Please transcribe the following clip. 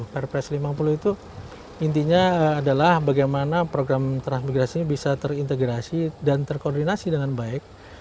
perpres lima puluh itu intinya adalah bagaimana program transmigrasi ini bisa terintegrasi dan terkoordinasi dengan baik